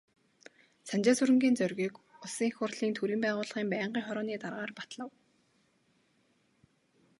Санжаасүрэнгийн Зоригийг Улсын Их Хурлын төрийн байгуулалтын байнгын хорооны даргаар батлав.